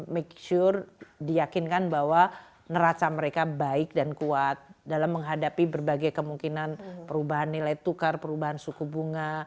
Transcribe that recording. make sure diakinkan bahwa neraca mereka baik dan kuat dalam menghadapi berbagai kemungkinan perubahan nilai tukar perubahan suku bunga